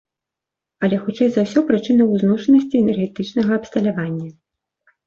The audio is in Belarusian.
Але хутчэй за ўсё прычына ў зношанасці энергетычнага абсталявання.